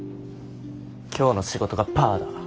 今日の仕事がパーだ。